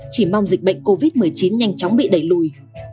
chỉ mong dịch bệnh covid một mươi chín nhanh chóng bị đẩy lùi